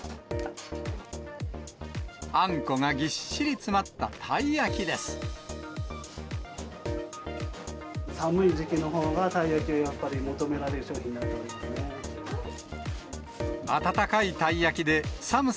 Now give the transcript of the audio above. あんこがぎっしり詰まったたい焼きです。